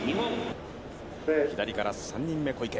左から３人目、小池。